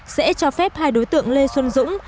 sẽ cho phép hai đối tượng lê xuân dũng